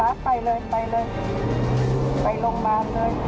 ไปโรงพยาบาลเลย